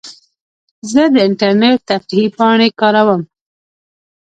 زه د انټرنیټ تفریحي پاڼې کاروم.